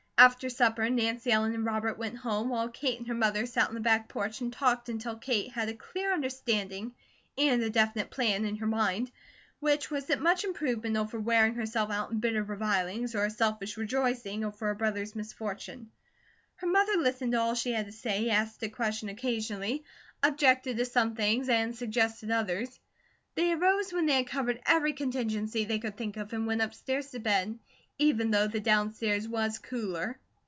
After supper Nancy Ellen and Robert went home, while Kate and her mother sat on the back porch and talked until Kate had a clear understanding and a definite plan in her mind, which was that much improvement over wearing herself out in bitter revilings, or selfish rejoicing over her brothers' misfortune. Her mother listened to all she had to say, asked a question occasionally, objected to some things, and suggested others. They arose when they had covered every contingency they could think of and went upstairs to bed, even though the downstairs was cooler.